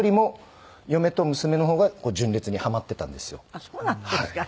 あっそうなんですか。